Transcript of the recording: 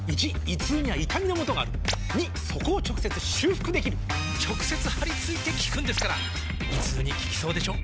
①胃痛には痛みのもとがある②そこを直接修復できる直接貼り付いて効くんですから胃痛に効きそうでしょ？